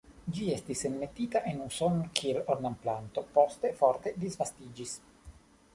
Ĝi estis enmetita en Usonon kiel ornamplanto, poste forte disvastiĝis.